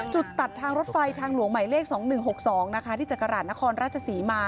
จุดตัดทางรถไฟทางหลวงใหม่เลข๒๑๖๒นะคะ